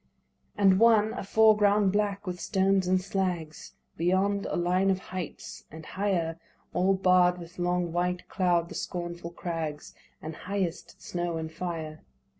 And one a foreground black with stones and slags, beyond, a line of heights, and higher All barr'd with long white cloud the scornful crags, And highest, snow and fire.